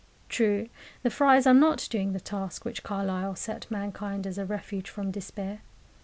True, the friars are not doing the task which Carlyle set mankind as a refuge from despair.